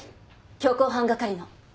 強行犯係の。